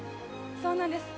そうなんです。